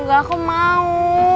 gak aku mau